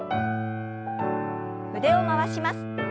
腕を回します。